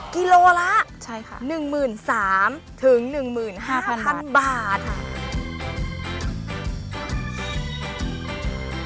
กิโลกรัมละ๑๓๐๐๐ถึง๑๕๐๐๐บาทค่ะ